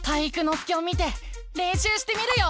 介を見てれんしゅうしてみるよ！